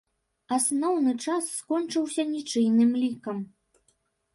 Асноўны час скончыўся нічыйным лікам.